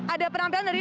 ada penampilan dari